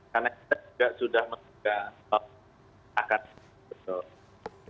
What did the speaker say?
karena kita juga sudah menjaga akan betul